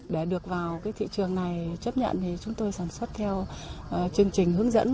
để được vào thị trường này chấp nhận chúng tôi sản xuất theo chương trình hướng dẫn